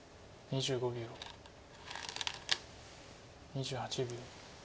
２８秒。